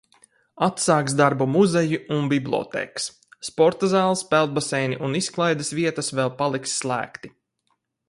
Atsāks darbu muzeji un bibliotēkas. Sporta zāles, peldbaseini un izklaides vietas vēl paliks slēgti.